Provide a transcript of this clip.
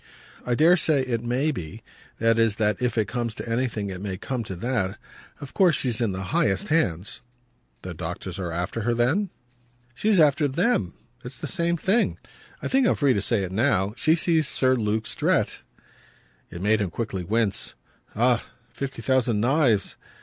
"I dare say it may be; that is that if it comes to anything it may come to that. Of course she's in the highest hands." "The doctors are after her then?" "She's after THEM it's the same thing. I think I'm free to say it now she sees Sir Luke Strett." It made him quickly wince. "Ah fifty thousand knives!"